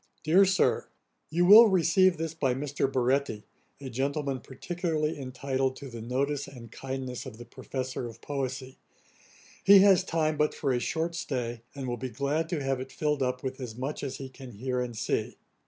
'DEAR SIR, 'You will receive this by Mr. Baretti, a gentleman particularly intitled to the notice and kindness of the Professor of poesy. He has time but for a short stay, and will be glad to have it filled up with as much as he can hear and see.